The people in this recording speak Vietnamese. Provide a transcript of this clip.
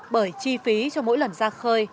bởi chi phí cho mỗi lần ra khơi